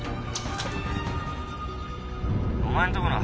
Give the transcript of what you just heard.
お前んとこの硲？